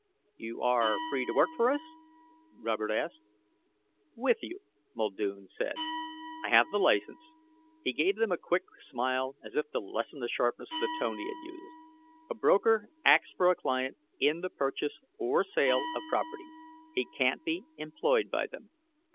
"You are free to work for us?" Robert asked. "With you," Muldoon said. "I have the license." He gave them a quick smile, as if to lessen the sharpness of the tone he had used. "A broker acts for a client in the purchase or sale of property. He can't be employed by them."